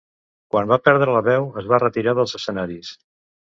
Quan va perdre la veu es va retirar dels escenaris.